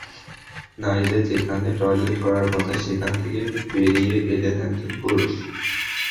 নারীদের যেখানে টয়লেট করার কথা, সেখান থেকে বেরিয়ে এলের একজন পুরুষ।